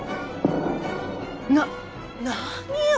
な何よ